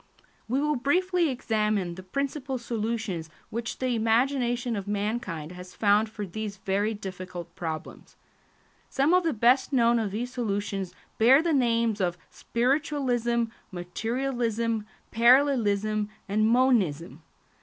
We will briefly examine the principal solutions which the imagination of mankind has found for these very difficult problems. Some of the best known of these solutions bear the names of spiritualism, materialism, parallelism, and monism.